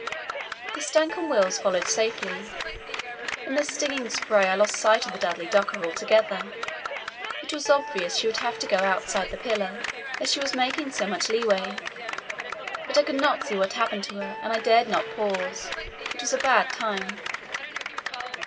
The Stancomb Wills followed safely. In the stinging spray I lost sight of the Dudley Docker altogether. It was obvious she would have to go outside the pillar as she was making so much leeway, but I could not see what happened to her and I dared not pause. It was a bad time.